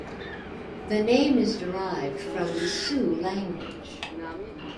The name is derived from the Sioux language.